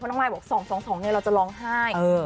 เพราะน้องไข่บอก๒๒๒เนี่ยเราจะร้องไห้